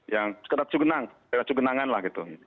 yang sekedar cugenang tidak cugenangan lah gitu